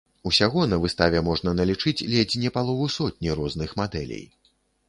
Усяго на выставе можна налічыць ледзь не палову сотні розных мадэлей.